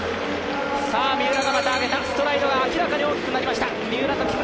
三浦がまた上げたストライドが明らかに大きくなりました。